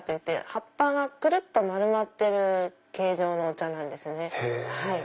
葉っぱがくるっと丸まってる形状のお茶なんですね。